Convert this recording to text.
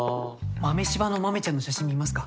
豆しばのまめちゃんの写真見ますか？